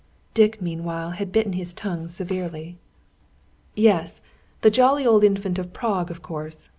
Dick, meanwhile, had bitten his tongue severely. "Yes, the jolly old Infant of Prague, of course.